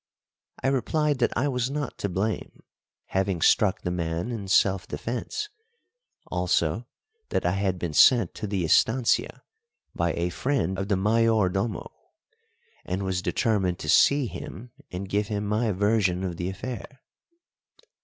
I replied that I was not to blame, having struck the man in self defence; also, that I had been sent to the estancia by a friend of the Mayordomo, and was determined to see him and give him my version of the affair.